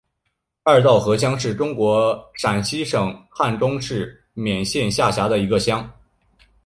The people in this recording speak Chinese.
二道河乡是中国陕西省汉中市勉县下辖的一个乡。